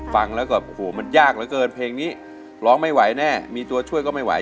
ฟังแล้วก็โอ้โหมันยากเหลือเกินเพลงนี้ร้องไม่ไหวแน่มีตัวช่วยก็ไม่ไหว